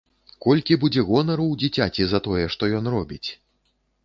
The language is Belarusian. Колькі будзе гонару ў дзіцяці за тое, што ён робіць!